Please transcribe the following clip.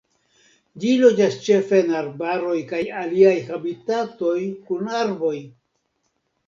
Ĝi loĝas ĉefe en arbaroj kaj aliaj habitatoj kun arboj.